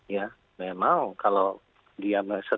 ya memang kalau dia merasa